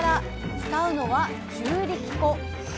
使うのは中力粉。